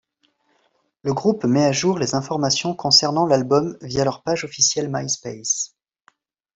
Le groupe met à jour les informations concernant l'album via leur page officielle MySpace.